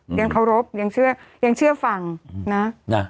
ยังเคารพยังเชื่อยังเชื่อฟังนะ